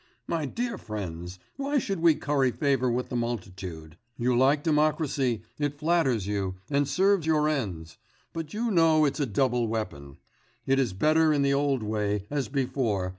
'My dear friends, why should we curry favour with the multitude. You like democracy, it flatters you, and serves your ends ... but you know it's a double weapon. It is better in the old way, as before